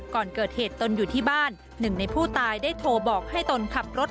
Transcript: ก่อนเกิดเหตุตนอยู่ที่บ้านหนึ่งในผู้ตายได้โทรบอกให้ตนขับรถ